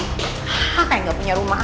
apa kayak gak punya rumah